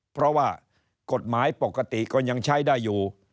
เพราะว่ากฎหมายปกติก็ยังใช้ได้อยู่